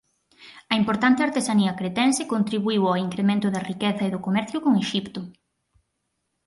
A importante artesanía cretense contribuíu ó incremento da riqueza e do comercio con Exipto.